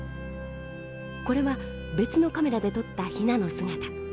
これは別のカメラで撮ったヒナの姿。